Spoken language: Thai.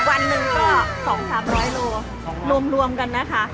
วันหนึ่งก็๒๓๐๐โลรวมกันนะคะ